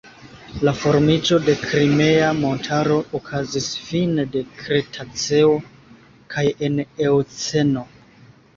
La formiĝo de Krimea montaro okazis fine de kretaceo kaj en eoceno.